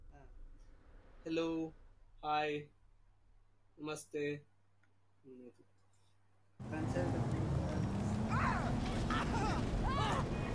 Concerned about her secrecy, Gary accuses Val of having an affair with Clay.